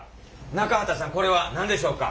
中畑さんこれは何でしょうか？